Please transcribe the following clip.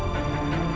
aku akan menangkanmu